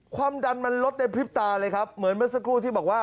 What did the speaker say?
ความดันมันลดในพริบตาเลยครับเหมือนเมื่อสักครู่ที่บอกว่า